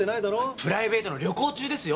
プライベートの旅行中ですよ。